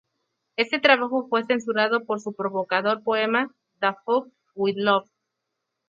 Este trabajo fue censurado por su provocador poema "To Fuck with Love".